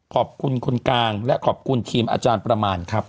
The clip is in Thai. ขอบคุณคนกลางและขอบคุณทีมอาจารย์ประมาณครับ